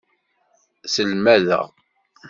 Selmadeɣ.